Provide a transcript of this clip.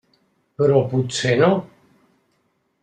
Però potser no.